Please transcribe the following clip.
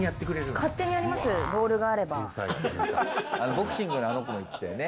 ボクシングのあの子も言ってたよね。